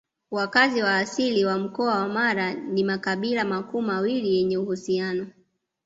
Wakazi wa asili wa Mkoa wa Mara ni makabila makuu mawili yenye uhusiano